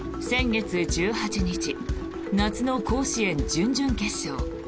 先月１８日夏の甲子園準々決勝。